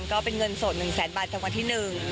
ก็เป็นเงินโสดหนึ่งแสนบาทตำกันที่หนึ่ง